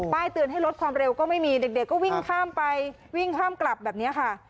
เตือนให้ลดความเร็วก็ไม่มีเด็กก็วิ่งข้ามไปวิ่งข้ามกลับแบบนี้ค่ะ